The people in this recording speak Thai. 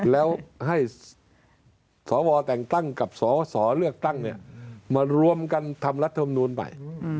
แล้วให้สวแต่งตั้งกับสสเลือกตั้งมารวมกันทำรัฐมนูลใหม่